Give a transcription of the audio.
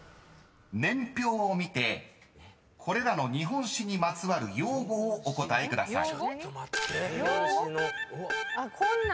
［年表を見てこれらの日本史にまつわる用語をお答えください］